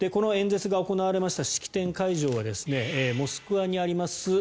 この演説が行われました式典会場はモスクワにあります